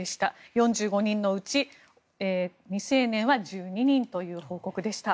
４５人のうち未成年は１２人という報告でした。